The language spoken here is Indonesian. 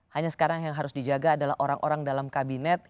hanya sekarang yang harus dijaga adalah orang orang dalam kabinet